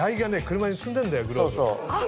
車に積んでるんだよグローブ。